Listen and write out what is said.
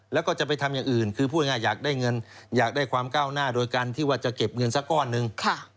แล้วก็จะไปทำอย่างอื่นคือพูดง่ายอยากได้เงินอยากได้ความก้าวหน้าโดยการที่ว่าจะเก็บเงินสักก้อนหนึ่ง